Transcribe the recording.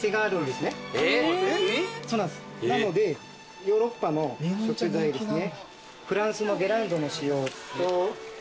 なのでヨーロッパの食材ですね。